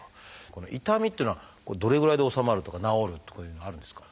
この痛みというのはどれぐらいで治まるとか治るとかいうのはあるんですか？